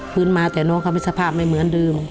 ฟื้นมาแต่น้องเขามีสภาพไม่เหมือนเดิม